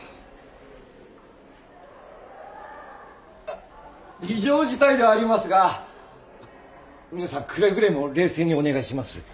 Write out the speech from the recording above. あっ異常事態ではありますが皆さんくれぐれも冷静にお願いします。